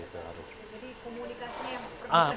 jadi komunikasinya yang penting kecelakaan